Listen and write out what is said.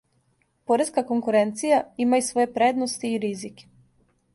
Пореска конкуренција има и своје предности и ризике.